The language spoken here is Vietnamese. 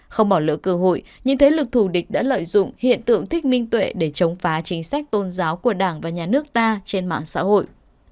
không bỏ lỡ cơ hội những thế lực thù địch đã lợi dụng hiện tượng thích minh tuệ để chống phá chính sách tôn giáo của đảng và nhà nước ta trên mạng xã hội